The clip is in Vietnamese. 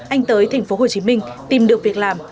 anh tới tp hcm tìm được việc làm